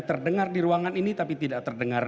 terdengar di ruangan ini tapi tidak terdengar